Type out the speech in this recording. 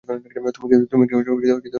তুমি কি তোমার বাবাকে দেখেছো?